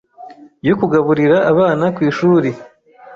yo kugaburira abana ku ishuri